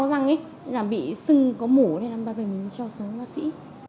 có răng ý làm bị sưng có mổ thì làm bà bà mình cho xuống bác sĩ